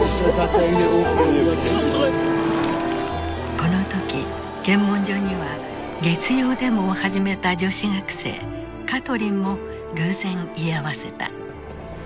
この時検問所には月曜デモを始めた女子学生カトリンも偶然居合わせた。